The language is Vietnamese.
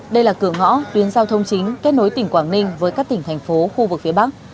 đây là cửa ngõ tuyến giao thông chính kết nối tỉnh quảng ninh với các tỉnh thành phố khu vực phía bắc